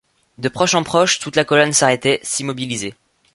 De proche en proche, toute la colonne s’arrêtait, s’immobilisait.